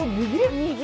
右。